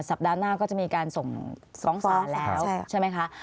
สัปดาห์หน้าก็จะมีการส่งศพลองศาสตร์แล้วใช่ไหมคะใช่